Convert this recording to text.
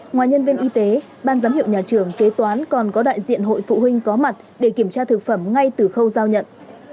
ngoài nhân viên y tế ban giám hiệu nhà trường kế toán còn có đại diện hội phụ huynh có mặt để kiểm tra thực phẩm ngay từ khâu giao nhận